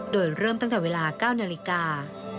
โดยเริ่มตั้งแต่เวลา๙นาฬิกา